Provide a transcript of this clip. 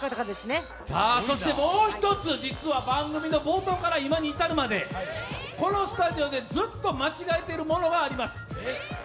そしてもう１つ、実は番組の冒頭から今に至るまでこのスタジオでずっと間違えているものがあります。